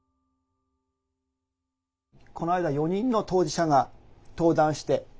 この間４人の当事者が登壇して。